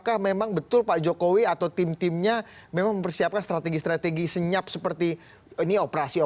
kemudian juga ke mauritius